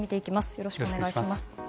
よろしくお願いします。